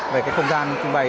về cái không gian trưng bày